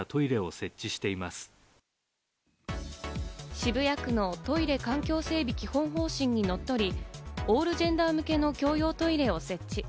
渋谷区のトイレ環境整備基本方針に則り、オールジェンダー向けの共用トイレを設置。